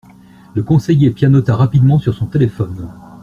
Le conseiller pianota rapidement sur son téléphone.